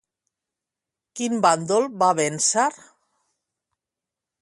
Quin bàndol va vèncer?